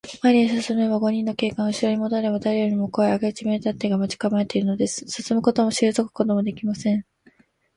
前に進めば五人の警官、うしろにもどれば、だれよりもこわい明智名探偵が待ちかまえているのです。進むこともしりぞくこともできません。